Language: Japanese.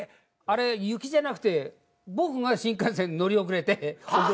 あれ雪じゃなくて僕が新幹線に乗り遅れて遅れたんです。